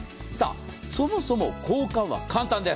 そもそも交換は簡単です。